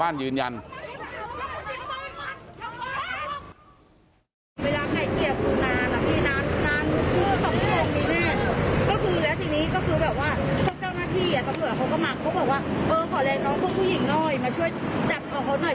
ตั้งแต่ที่ไม่มีได้เข้าไปสูดอุ้มเขาเลยอะไรอย่างนี้